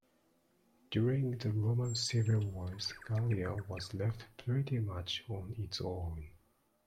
During the Roman civil wars Gallia was left pretty much on its own.